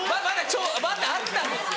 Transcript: まだあったんですよ。